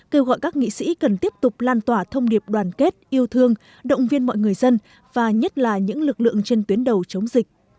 kêu gọi các nghị sĩ cần tiếp tục lan tỏa thông điệp đoàn kết yêu thương động viên mọi người dân và nhất là những lực lượng trên tuyến đầu chống dịch